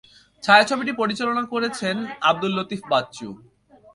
ছায়াছবিটি পরিচালনা করেছেন আব্দুল লতিফ বাচ্চু।